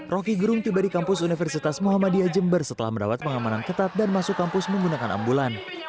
roky gerung tiba di kampus universitas muhammadiyah jember setelah merawat pengamanan ketat dan masuk kampus menggunakan ambulan